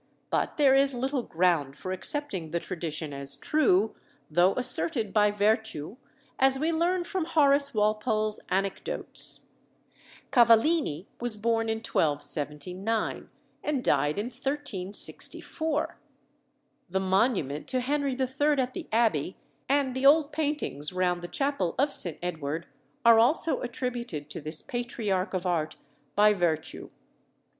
But there is little ground for accepting the tradition as true, though asserted by Vertue, as we learn from Horace Walpole's 'Anecdotes.' Cavallini was born in 1279, and died in 1364. The monument to Henry III. at the Abbey, and the old paintings round the chapel of St. Edward are also attributed to this patriarch of art by Vertue.